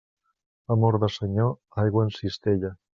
Amor de senyor, aigua en cistella.